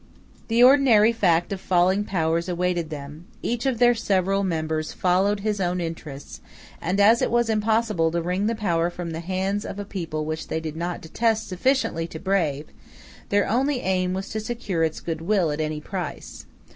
The ordinary fate of falling powers awaited them; each of their several members followed his own interests; and as it was impossible to wring the power from the hands of a people which they did not detest sufficiently to brave, their only aim was to secure its good will at any price.